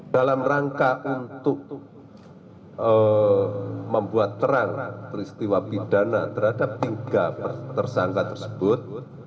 dalam rangka untuk membuat terang peristiwa pidana terhadap tiga tersangka tersebut